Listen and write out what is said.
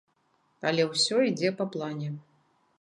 Але ўсё ідзе па плане.